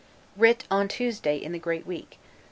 "Writ on Tuesday in the great week."